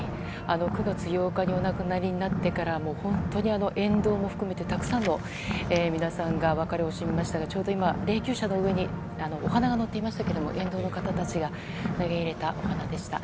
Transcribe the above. ９月８日にお亡くなりになってから沿道も含めてたくさんの皆さんが別れを惜しみましたがちょうど今、霊柩車の上にお花が載っていましたが沿道の方たちが投げ入れたお花でした。